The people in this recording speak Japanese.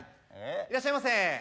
いらっしゃいませ。